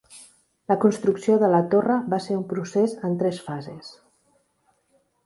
La construcció de la torre va ser un procés en tres fases.